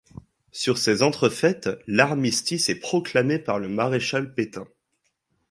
Sur ces entrefaites, l'armistice est proclamé par le maréchal Pétain.